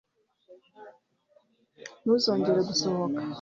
Ntuzongere gusohoka